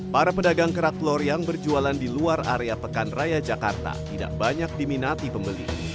para pedagang kerak telur yang berjualan di luar area pekan raya jakarta tidak banyak diminati pembeli